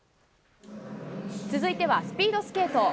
続いてはスピードスケート。